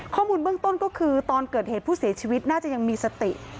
ข้อมูลเบื้องต้นก็คือตอนเกิดเหตุผู้เสียชีวิตน่าจะยังมีสติ